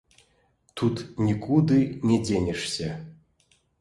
Тут нікуды не дзенешся.